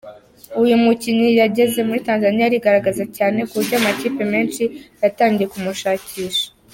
Uyu mukinnyi yageze muri Tanzania arigaragaza cyane ku buryo amakipe menshi yatangiye kumushakisha.